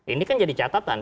ini kan jadi catatan